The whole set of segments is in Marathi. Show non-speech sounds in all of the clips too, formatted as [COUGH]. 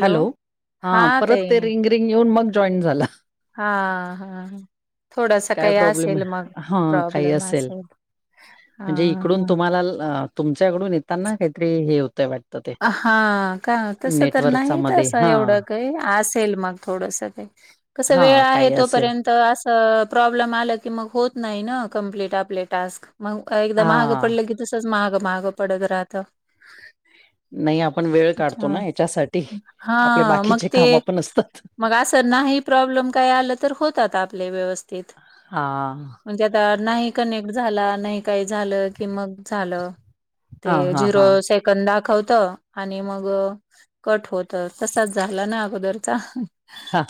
हॅलो हा परत ते रिंग रिंग येऊन मग जॉईन झाल. हा हा ह थोडस काय काही प्रॉब्लेम असेल आहे? मग हां, काही प्रॉब्लेम असेल. असत. म्हणजे इकडून तुम्हाला तुमच्याकडून येताना काहीतरी हे होतंय वाटत. हा का तस तर नाही मध्ये तंस हां, एवढं काही असेल मग थोडस काही. कस वेळ हां, आहे काही असेल. तोपर्यंत- तर असं प्रॉब्लेम आलं की मग होत नाही ना कंप्लीट आपले टास्क. मग एकदा माग हां, पडलं की तसच माग माग पडत राहतं. नाही आपण वेळ काढतो अच्छा. ना याच्यासाठी, आपले हां मग बाकीचे ते काम आपण असतात. मग अस नाही काही प्रॉब्लेम काय आलं तर होतात आपले व्यवस्थीत. हां. म्हणजे आता नाही कनेक्ट झाला नाही, काही झालं कि मग- झालं हां, ते हां, झिरो हां. सेकंद दाखवत होत. आणि मग कट होत, तसाच झाला ना अगोदरचा. हा.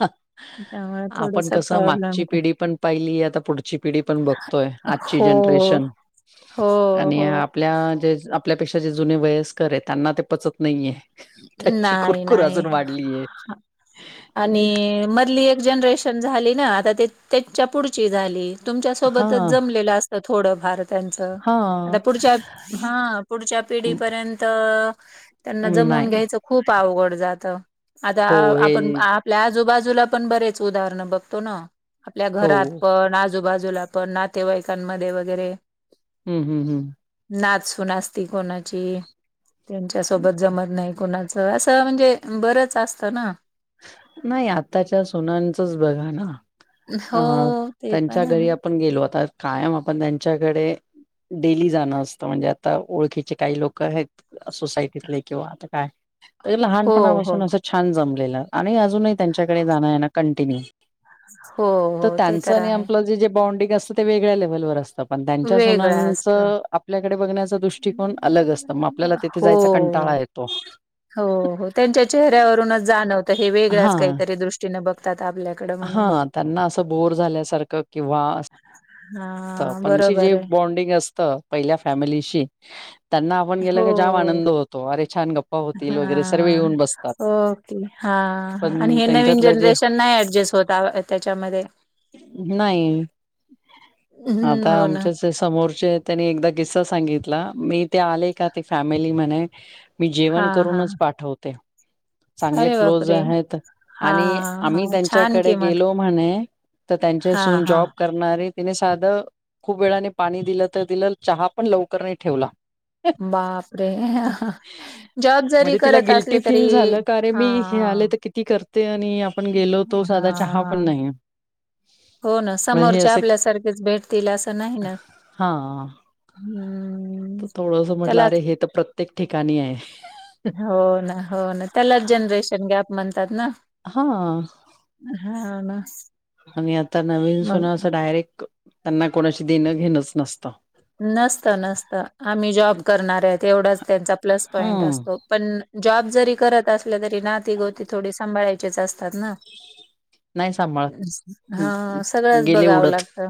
त्यामुळे आपण थोडसा कसं प्रॉब्लेम मागची होता. पिढी पण पाहिली आता पुढची पिढी पण बघतोय. आजची हो जनरेशन. ह. हो हो. आपल्या जे आपल्यापेक्षा जे जुने वयस्कर आहे त्यांना ते पचत नाहीये. त्याची नाही कुरकुर नाही अजून वाढलीये. आणि मधली एक जनरेशन झाली ना आता ते त्याच्या पुढची झाली. तुमच्या हा सोबतच जमलेलं असत थोडं भार त्यांचं, हा आता पुढच्या हा पुढच्या म- पिढीपर्यंत त्यांना जमून नाही घ्यायचं खूप अवघड जात, आता हो हे आपण आप आपल्या आजूबाजूला पण बरेच उदाहरण बघतो ना, आपल्या हो घरात पण, आजूबाजूला पण नातेवाईकांमध्ये वगैरे हूं हूं हूं! नातसून, असती कोणाची त्यांच्यासोबत जमत नाही कोणाचं, असं म्हणजे बरंच असतना. नाही आत्ताच्या सुनांचंच बघा ना. हो अं ते पण त्यांच्या आहे घरी आपण गेलो, आता कायम आपण त्यांच्याकडे डेली जाणं असतं म्हणजे आता ओळखीचे काही लोक आहेत सोसायटीतले किंवा आता काय. त हो हो लहानपणापासून असं छान जमलेलं, आणि अजूनही त्यांच्याकडे जाणं येणं कंटिन्यू हो त हो ते त्यांच तर आणि आहे आपलं जे-जे बॉडिंग असतं ते वेगळ्या लेवलवर असत. पण त्यांच्या वेगळा सुनांच असत. आप ल्याकडे बघण्याचा दृष्टिकोन अलग असतं, म आपल्याला तिथे हो जायचा कंटाळा येतो. हो, हो त्यांच्या चेहऱ्यावरूनच जाणवतं, हे वेगळ्याच हा काहीतरी दृष्टीन बघतात आपल्या हा त्यांना असं बोर झाल्यासारखं किंवा हा पण बरोबर चिजी आहे बॉन्डिंग अस त पहिल्या फॅमिलीशी, त्यांना आपण गेल की जाम हो आनंद होतो, अरे छान गप हा ओके हा हा आण पण हे नवीन त्यांच्यातल्या जे जनरेशन नाही ऍडजस्ट होत. ता त्याच्यामध्ये. नाही. हम्म आता हो ना आमच्याच ते समोरचे त्यांनी एकदा किसा सांगितला मी ते आले का ती फॅमिली म्हणे मी हा जेवण हा करूनच पाठवते. चांगले अरे क्लोज बापरे आहेत, हा आणि हा आम्ही छान कि त्यांच्याकडे मग गेलो म्हणे तर त्यांची हा सुन हा जॉब करणारी तिने साध खूप वेळाने पाणी दिलं त दीलं चहा पण लवकर नाही ठेवला. बापरे! जॉब जरी म्हणजे तिला करत असली गिल्टी तरी फील झालं का अरे हा मी हे आले तर किती करते आणि आपण गेलो तो साधा चहा पण हा नाही. हो ना म्हणजे हे समोरचे असे आपल्या सारखेच भेटतील असं नाही ना. हूं! त थोडंस म्हटलं अरे हे त प्रत्येक ठिकाणी आहे. हो ना, हो ना, त्यालाच जनरेशन गॅप म्हणतात ना. हा! हा ना. आणि आता नवीन मग सुना असं डायरेक्ट, त्यांना कोणाशी देणं घेणंच नसतं. नसत नसत, आम्ही जॉब करणाऱ्यायेत एवढाच त्यांचा प्लस पॉईंट हम्म असतो. पण जॉब जरी करत असले तरी नाती गोती थोडी सांभाळायचीच असतात ना. नाही सांभाळत हा सगळंच गेले बघावं उडत लागतं.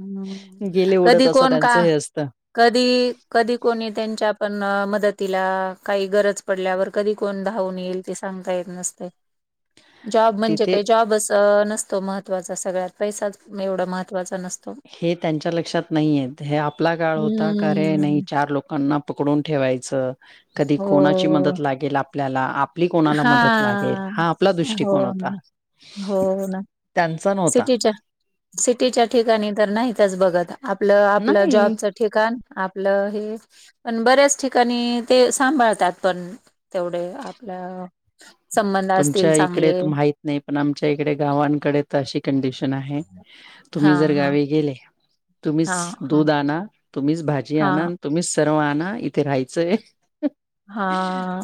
हूं गेले उडत कधी असं कोण का त्यांचं हे असतं कधी, कधी कोणी त्यांच्या पण मदतीला काही गरज पडल्यावर कधी कोण धावून येईल ते सांगता येत नसतं, जॉब म्हणजे तिथे काय जॉबच त नसतो महत्त्वाचा सगळ्यात, पैसाच म एवढा महत्त्वाचा नसतो. हे त्यांच्या लक्षात नाही येत, हे आपला काळ होता का रे नाही हम्म. चार लोकांना पकडून ठेवायच, कधी कोणाची हो. मदत लागेल आपल्याला आप पली कोणाला मदत लागेल, हां. हा आपला हो दृष्टिकोन होता ना. हो ना. त्यांचा नव सिटीच्या सिटीच्या ठिकाणी तर नाहीतच बघत आपलं आपलं नाही जॉबच ठिकाण आपलं हे पण बऱ्याच ठिकाणी ते सांभाळतात पण तेवढे आपल्या संबंध असतील तुमच्या इकडे चांगले. तर माहित नाही पण आमच्या इकडे गावांकडे तशी कंडिशन आहे तुम्ही हां, जर हां. गावी गेले तुम्हीच हां, हां. दूध आणा तुम्हीच भाजी हां, आणाण तुम्हीच सर्व आणना इथे राहायचंय.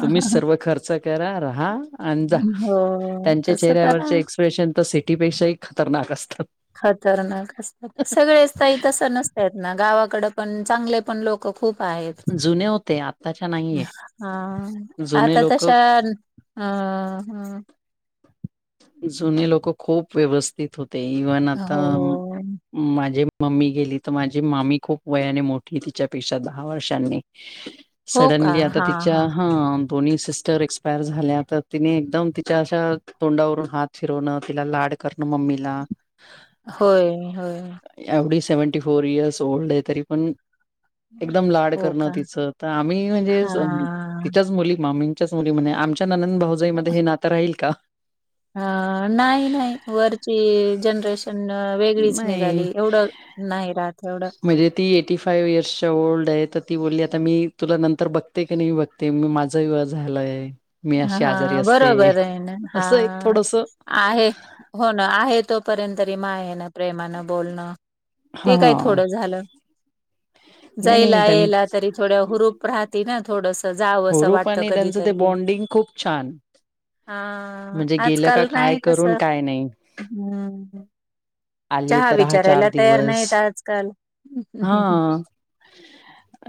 तुम्ही सर्व खर्च करा रहा. आणि जा. हो, त्यांच्या तसं तर चेहऱ्यावरचे एक्सप्रेशन तर सिटीपेक्षाही खतरनाक असतात. खतरनाक असतात, सगळेच ताई तस नसत- त्यात ना गावाकड पण चांगले पण लोक खूप आहेत जुने होते आत्ताच्या नाहीये हा जुने आता लोक तशा हा हा. ती जुनी लोक खूप व्यवस्थित होते इव्हन आता हो. माझे मम्मी गेली तर माझी मामी खूप वयाने मोठीली तिच्यापेक्षा दहा वर्षांनी. हो का? सडनली आता हां, तिच्या हां. हा. दोन्ही सिस्टर एक्सपायर झाले तर तिने एकदम तिच्या अशा तोंडावरून हात फिरवणं तिला लाड करणं मम्मीला होय होय. एवढी सेव्हंटी फोर इयर्स ओल्ड आहे तरी पण एकदम लाड हो करणं का? तिचं तर आम्ही म्हणजे च हां. तिच्याच मुली मामी आमच्याच मुली म्हणे आमच्या ननंद भाऊजाई मध्ये हे नातं राहील का? अ नाही नाही वरची जनरेशन वेगळीच. नाही निघाली एवढं नाही राहत एवढं म्हणजे ती एटी फाइव्ह इयर्सच्या ओल्ड आहे तर ती बोलली आता मी तुला नंतर बघते की नाही बघ ते मी माझा विवाह झालाय. मी हा अशी आजारी हा असते बरोबर आहे ना हा असं एक थोडस आहे हो ना आहे तोपर्यंत तरी मायेन प्रेमानं बोलणं हा ते काय थोडं झालं. नाही नाही जायला त्यां यायला तरी थोड्या हुरूप राहत - - ते ना थोडस जावसं वाटत कधीतरी. डींग खूप छान. हा म्हणजे गेलं का आजकाल काय नाही तस करून काय नाही हम्म. आली चहा तर हा चार विचारायला तयार दिवस नाहीत आजकाल हा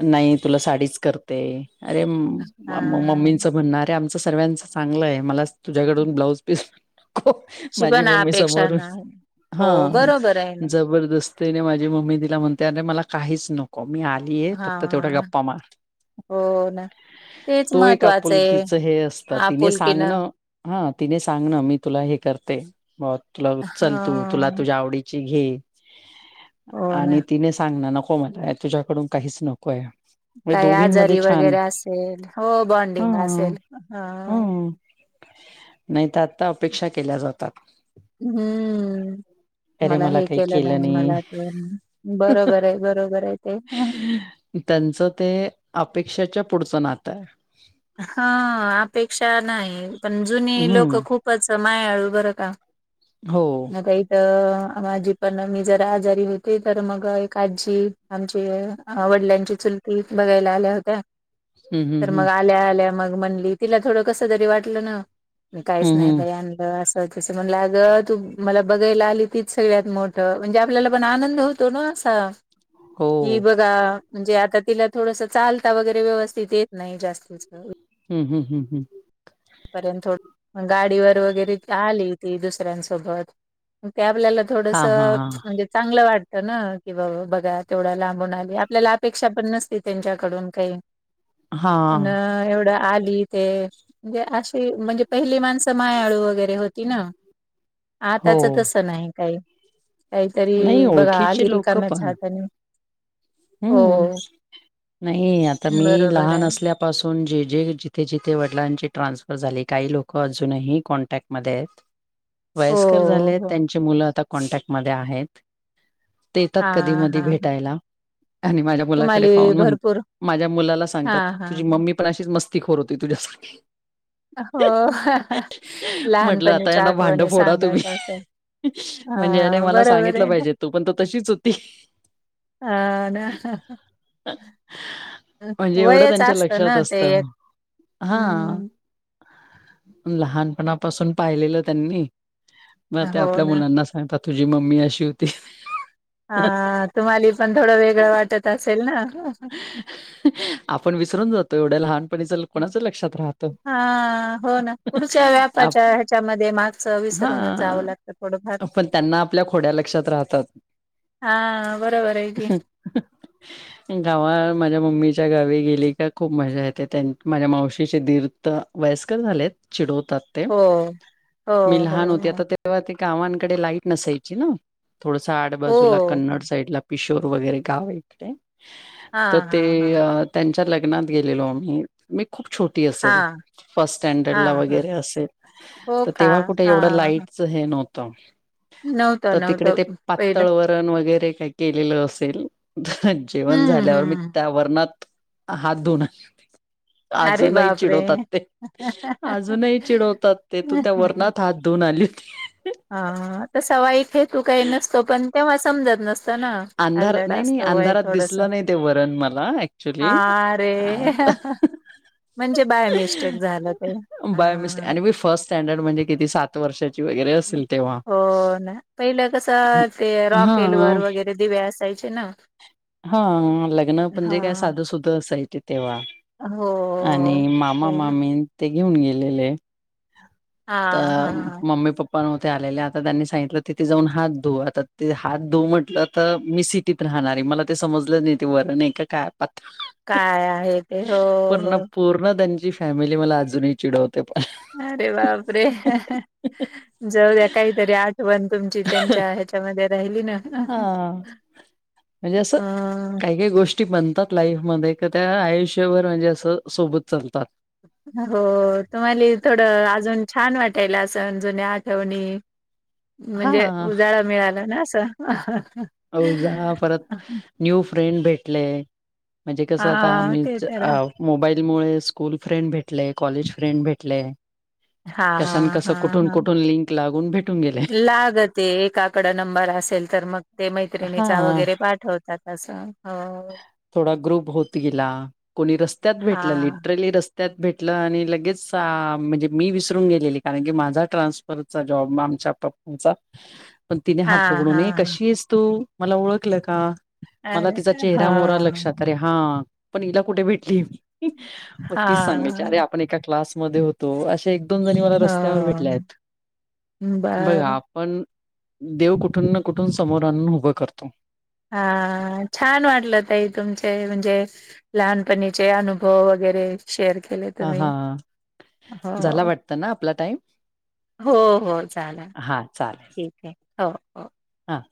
नाही तुला साडीच करते अरे म हा मम्मीचं म्हणणारे आम अस सर्व्यांच चांगलंय मलाच तुझ्याकडून ब्लाउज पिस नको. शी माझी पण मम्मी अपेक्षा समोरून नाही हा हो बरोबर आहे ना जबरदस्त ती ने माझी मम्मी तीला म्हणते अरे मला काहीच नको मी आली हा हो ना. तेच तो एक महत्त्वाचं आहे आपुलकीच हे असतं तिने सांगण आपुलकीनं हा तिने सांगन मी तुला हे करते म तुला चल तू तुला हा तुझ्या आवडी ची घे हो ना आणि तिने सांगण नको मला तुझ्याकडून काहीच नकोय. म्हणजे काही दोघींमध्ये आजारी छान वगैरे असेल हो बॉन्डिंग असेल. हा. नाही तर आता अपेक्षा केल्या जातात. हम्म. मला हे केलं नाही, मला बरोबर आहे, बरोबर आहे ते. त्यांचं ते अपेक्षेच्या पुढचं नातं आहे. हा, अपेक्षा नाही, पण जुनी लोक हं. खूपच मायाळू बरं का. हो. मता इथ माझी पण मी जर आजारी होते, तर मग एक आजी आमचे वडिलांची चुलती बघायला आल्या होत्या. हम्म तर हम्म हम. मग आल्या आल्या मग म्हणली, तिला थोड कस तरी व वाटलं ना, काहीच हं नाही हं बाई अनल अस तसं म्हणल, अगं तू मला बघायला आली तीच सगळ्यात मोठं, म्हणजे आपल्याला पण आनंद होत तो न असा हो कि बघा म्हणजे, आता तिला थोडस चालता वगैरे व्यवस्थित येत नाही जास्त. [INAUDIBLE] हम्म हम्म हम्म. पर्यंत सोड, पण गाडीवर वगैरे ती होती दुसऱ्यांसोबत, ते आपल्याला थोडस हां हां हां म्हणजे चांगलं वाट ना कि बाबा, बघा तेवढा लांबून आली आपल्याला अपेक्षा पण नसती त्यांच्याकडून काही. अ हां एवढं आली इथे म्हणजे अशी म्हणजे पहिली माणसं मयाळू वगैरे होती न. हो आताच तसं नाही काही नाही काहीतरी बघा, आली ओळखीची रिकाम्याच हातानी. हम्म! नाही आता मी बरोबर लहान आहे असल्या पासून जे जे जिथे जिथे वडिलांची ट्रान्सफर झाली, काही लोकं अजूनही कॉन्टॅक्टमध्ये आहे. [INAUDIBLE] वयस्कर झालेत, हो त्यांची मुलं आता कॉन्टॅक्टमध्ये आहेत. तेे येतात हा कधी मधी हा भेटायला. आणि माझ्या मुलाकडे तुम्हाला पाहून, मग भरपूर माझ्या मुलाला हा सांगतात हा तुझी मम्मी पण अशीच मस्ती खोर होती तुझ्यासारखी. हो, म्हटलं आता लहानपणीच्या यांना भांडं आठवणी फोडा तुम्ही. सांगत असत. म्हणजे यानी मला सांगितलं पाहिजे, तू पण त तशीच होती. हा ना. म्हणजे एवढं वयच त्यांच्या असतं ना लक्षात ते, असतं. हां, हम्म. लहानपणापासून पाहिलेलं त्यांनी, म ते हो आपल्या ना मुलांना सां तात, तुझी मम्मी अशी होती हा, तुम्हाले पण थोडं वेगळं वाटत असेल न. आपण विसरून जातो एवढे लहान पाणीच कोणाच लक्षात राहत. हा हो ना पुढच्या आप व्यापाच्या ह्याच्यामध्ये मागचं विसरूनच जावं हा, लागतं थोडंफार पण त्यांना आपल्या खोड्या लक्षात राहतात. हा, बरोबर आहे की. गावा, माझ्या मम्मीच्या गावी गेली का, खूप मजा येते, त्यां माझ्या मावशीचे दीर वयस्कर झालेत, चिडवतात ते, हो हो मी हो लहान होती आता हो ते तेव्हा ते गावांकडे लाईट नसायची न, थोडस हो आडबाजूला, हो कन्नड साईडला किशोर वगैरे गाव आहे इकडे, हा तर हा ते हा त्यांच्या लग्नात गेलेलो आम्ही, मी खूप छोट ती हा असेल फर्स्ट स्टॅंडर्ड हा ला हा वगैरे असेल हो तर का तेव्हा कुठे हा एवढ लाईट. हा हे नव्हतं नव्हतं त तिकडे नव्हतं ते पहिलं पातळवर. वजन वगैरे काही केलेलं असेल तर जेवण हम्म झाल्यावर मी हम्म त्या. वर्णात हात धुनार अरे अजूनही बापरे चिडवतात ते. अजूनही चिडवतात ते तू त्या वरणात हात धुऊन आली होती. हा हा त सव इथे तू काही नसतो पण तेव्हा समजत नसत. असत ना अंधार अल्लड नाही नाही असत वय अंधारात थोडस दिसलं नाही ते वरण मला ऍक्च्युली. आ रे. म्हणजे बाय मिस्टेक झालं ते हा. स्टॅंडर्ड म्हणजे किती सात. सात वर्षाची वगैरे असेल तेव्हा हो ना पहिलं कसं ते हा रॉकेल वर हा. वगैरे दिवे असायचे ना. हा लग्न हा म्हणजे काय साध सुध. त असायचे तेव्हा हो हो. आणि मामा पहिलं मामी. ते घेऊन गेलेले हा त हा हा. Mummy papa. पण होते आलेले आता त्यांनी सांगितलं तिथे जाऊन हात धू आता ते हात धुऊ म्हट''--'' तर मी सिटीत राहणारी मला ते समजलं नाही ते वरण आहे का काय पातळ. काय आहे ते हो हो. पूर्ण त्यांची फॅमिली मला अजूनही चिडवत. ते प''--'' अरे बापरे जाऊ द्या काहीतरी आठवण तुमची त्यांच्या आहेत. त्याच्यामध्ये राहिली ना. हा म्हणजे असं अ काही काही गोष्टी. गी बनतात लाईफ मध्ये क त्या आयुष्यभर म्हणजे असं सोबत चालतात. हो तुम्हाला थोडं अजून छान वाटायला असं जुन्या आठवणी. हा म्हणजे उजाळा मिळाला ना असं. अ उजाळा परत न्यू फ्रेंड भेटले. म्हणजे कसं आता हा ते आ्च तर आहे. आव. मोबाईल मुळे स्कूल फ्रेंड भेटले कॉलेज फ्रेंड भेटले. हा कसन कस हा कुठून हा कुठून लिंक लागून भेटून गेले. ते एकाकडे नंबर असेल तर मग ते हा मैत्रिणीचा वगैरे पाठवतात असं. हो. थोडा ग्रुप होत गेला कोणी रस्त्यात हा भेटला लिटरली रस्त्या''--'' त्यात भेटलं आणि लगेच म्हणजे मी विसरून गेलेली कारण की माझा ट्रान्स''--'' फरचा जॉब आमच्या पप्पूचा. [INAUDIBLE] पण तिने हात हा पकडून ये हा कशी आहेस तू मला ओळखलं का. अ रे हा. निरा मोरा लक्षात अरे हा पण हिला कुठे भेटली मी. मग हा तीच सांगायची अरे आपण एका क्लासमध्ये होतो असे. दोन जणी मला रस्त्यावर भेटल्या हो आहेत बघा बर. आपण. देव कुठून ना कुठून समोर आणून उभं करतो. हा छान वाटलं ताई तुमचे म्हणजे. लहानपणीचे अनुभव वगैरे. शेअर केले हा तुम्ही हा झाला हो. वाटतं ना आपला टाइम हो हो चालान हा चालेल ठीक आहे हो हो. हा,